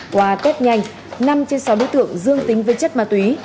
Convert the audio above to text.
qua test nhanh năm trên sáu đối tượng dương tính với chất ma túy